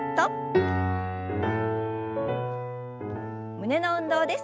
胸の運動です。